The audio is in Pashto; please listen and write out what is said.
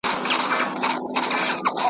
پر اغزنه زخمي لاره چي رانه سې .